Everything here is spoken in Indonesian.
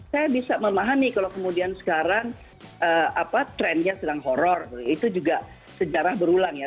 saya bisa memahami kalau kemudian sekarang trendnya sedang horror itu juga sejarah berulang ya